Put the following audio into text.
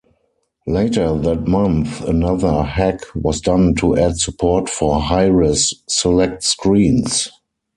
Later that month, another hack was done to add support for high-res select screens.